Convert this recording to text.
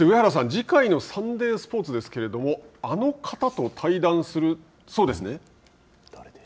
次回のサンデースポーツですけれどもあの方と対談するそうですね。